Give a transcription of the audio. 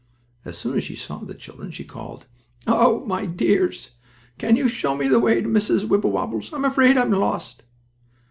As soon as she saw the children she called: "Oh, my dears, can you show me the way to Mrs. Wibblewobble's? I'm afraid I'm lost!"